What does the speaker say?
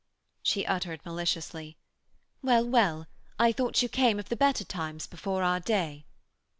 She uttered maliciously: 'Well, well. I thought you came of the better times before our day.'